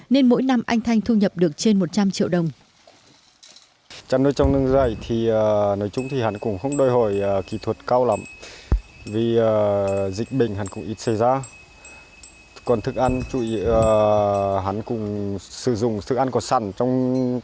nên mỗi năm anh thanh thu nhập được trên một trăm linh triệu đồng